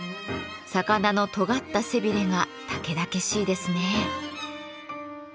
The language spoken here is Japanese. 魚のとがった背びれがたけだけしいですね。